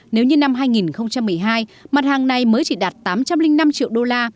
nếu như năm hai nghìn một mươi hai mặt hàng này mới chỉ đạt tám trăm linh năm triệu đô la